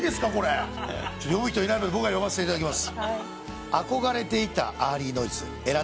読む人いないので僕が読ませていただきます。